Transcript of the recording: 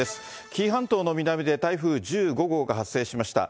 紀伊半島の南で台風１５号が発生しました。